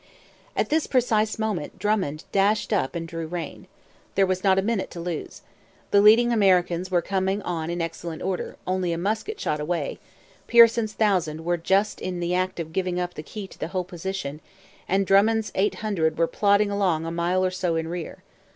At this precise moment Drummond dashed up and drew rein. There was not a minute to lose. The leading Americans were coming on in excellent order, only a musket shot away; Pearson's thousand were just in the act of giving up the key to the whole position; and Drummond's eight hundred were plodding along a mile or so in rear.